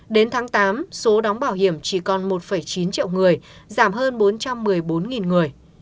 đến tháng tám số đóng bảo hiểm chỉ còn một chín triệu người giảm hơn bốn trăm một mươi bốn người